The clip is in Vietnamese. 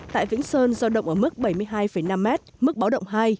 tại vĩnh sơn giao động ở mức bảy mươi hai năm mét mức bớt động hai